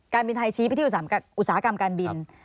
บินไทยชี้ไปที่อุตสาหกรรมการบิน